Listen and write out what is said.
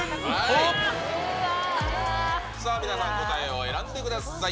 さあ皆さん、答えを選んでください。